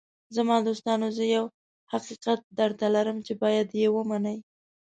“زما دوستانو، زه یو حقیقت درته لرم چې باید یې ومنئ.